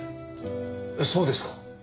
そうですか？